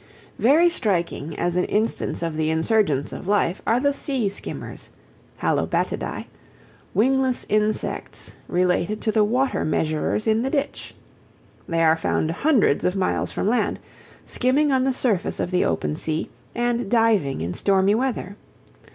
Very striking as an instance of the insurgence of life are the sea skimmers (Halobatidæ), wingless insects related to the water measurers in the ditch. They are found hundreds of miles from land, skimming on the surface of the open sea, and diving in stormy weather.